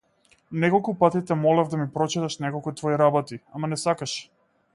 Неколку пати те молев да ми прочиташ неколку твои работи, ама не сакаше.